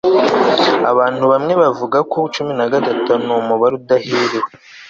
abantu bamwe bavuga ko cumi na gatatu numubare udahiriwe